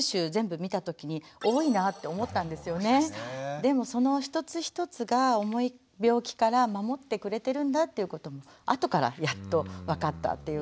でもその一つ一つが重い病気から守ってくれてるんだっていうこともあとからやっと分かったっていう感じなんですけれども。